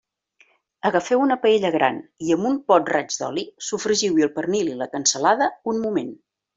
Agafeu una paella gran i amb un bon raig d'oli sofregiu-hi el pernil i la cansalada un moment.